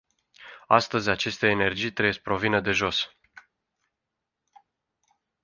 Astăzi, aceste energii trebuie să provină de jos.